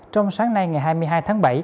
trong sáng nay ngày hai mươi hai tháng bảy